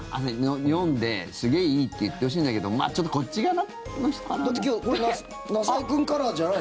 読んで、すげえいいって言ってほしいんだけどちょっとこっち側の人かな？